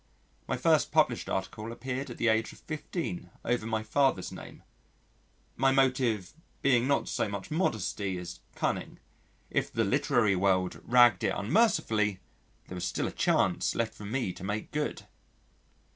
My first published article appeared at the age of 15 over my father's name, my motive being not so much modesty as cunning if the literary world (!) ragged it unmercifully, there was still a chance left for me to make good.